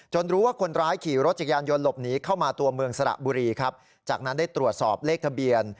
รู้ว่าคนร้ายขี่รถจักรยานยนต์หลบหนีเข้ามาตัวเมืองสระบุรีครับจากนั้นได้ตรวจสอบเลขทะเบียน